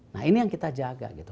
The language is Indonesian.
nah ini yang kita jaga gitu